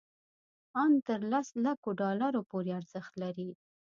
ان تر لس لکو ډالرو پورې ارزښت لري.